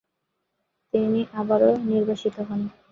তিনি আবারও নির্বাসিত হন।